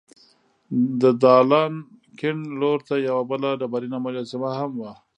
د دالان کیڼ لور ته یوه بله ډبرینه مجسمه هم وه.